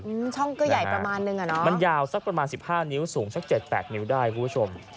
อืมช่องก็ใหญ่ประมาณนึงอ่ะเนอะมันยาวสักประมาณสิบห้านิ้วสูงสักเจ็ดแปดนิ้วได้คุณผู้ชม